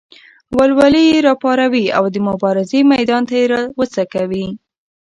ولولې یې راوپاروي او د مبارزې میدان ته یې راوڅکوي.